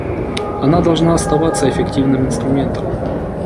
Она должна оставаться эффективным инструментом.